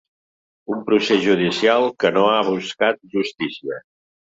Un procés judicial que no ha buscat justícia.